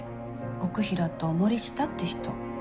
奥平と森下って人。